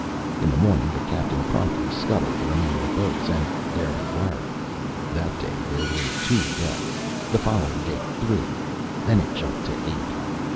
In the morning the captain promptly scuttled the remaining boats, and there we were. That day there were two deaths; the following day three; then it jumped to eight.